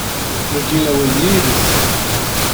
Ur gelaouennerez.